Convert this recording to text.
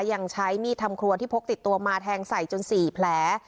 ยังใช้มีดทำครัวที่พกติดตัวมาแทงใส่จน๔แผล